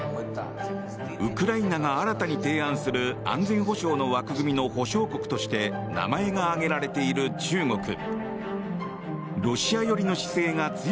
ウクライナが新たに提案する安全保障の枠組みの保証国として名前が挙げられている中国。